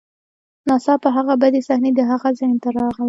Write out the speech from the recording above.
ناڅاپه هغه بدې صحنې د هغه ذهن ته راغلې